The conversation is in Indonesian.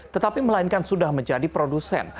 tetapi melainkan sudah menjadi produsen